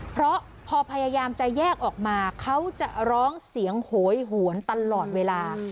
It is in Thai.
เพราะพอพยายามจะแยกออกมาเขาจะร้องเสียงโหยหวนตลอดเวลา